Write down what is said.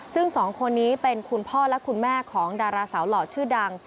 ซึ่งสองคนนี้เป็นคุณพ่อและคุณแม่ของดาราสาวหล่อชื่อดัง